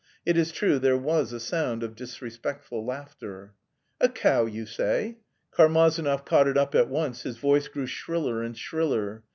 It is true there was a sound of disrespectful laughter. "A cow, you say?" Karmazinov caught it up at once, his voice grew shriller and shriller.